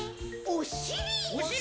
おしり！